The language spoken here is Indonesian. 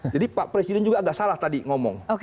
jadi pak presiden juga agak salah tadi ngomong